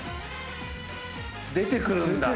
出てくるんだ。